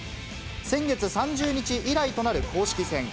先月３０日以来となる公式戦。